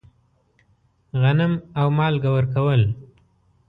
غنم او مالګه ورکول.